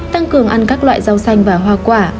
tăng cường ăn các loại rau xanh và hoa quả